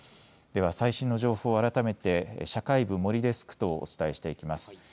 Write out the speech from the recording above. では最新の情報、改めて社会部森デスクとお伝えしていきます。